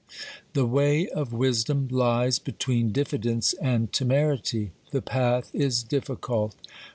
The way of Wisdom lies between diffidence and temerity ; the path is difficult.